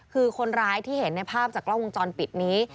คือคนร้ายที่เห็นในภาพจากกล้องวงจรปิดนี้